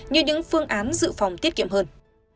thắng án dự phòng tiết kiệm hơn